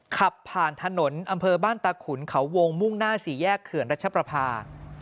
ขับผ่านถนนอำเภอบ้านตาขุนเขาวงมุ่งหน้าสี่แยกเขื่อนรัชประพา